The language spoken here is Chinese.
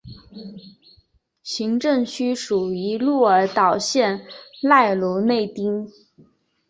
行政区属于鹿儿岛县濑户内町。